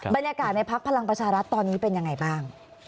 บรรยากาศในพักพลังประชารัฐตอนนี้เป็นยังไงบ้าง